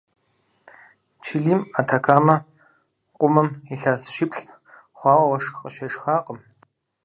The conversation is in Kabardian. Чилим, Атакамэ къумым, илъэс щиплӏ хъуауэ уэшх къыщешхакъым.